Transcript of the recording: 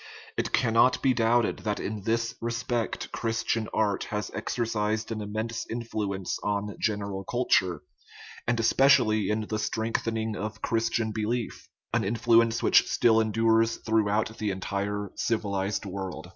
It cannot be doubted that in this respect Christian art has exercised an immense influence on general culture, and especially in the strengthening of Christian belief an influence which still endures throughout the entire civilized world.